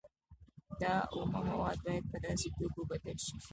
دا اومه مواد باید په داسې توکو بدل شي